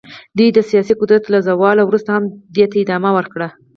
دوی د سیاسي قدرت له زوال وروسته هم دې ته ادامه ورکړه.